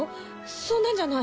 そんなんじゃない。